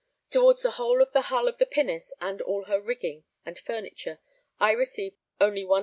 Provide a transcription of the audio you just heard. Towards the whole of the hull of the pinnace and all her rigging and furniture I received only 100_l.